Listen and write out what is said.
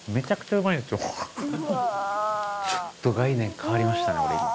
ちょっと概念変わりましたね